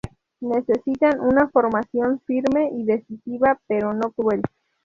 Necesitan una formación firme y decisiva, pero no cruel.